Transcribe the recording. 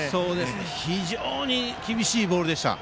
非常に厳しいボールでした。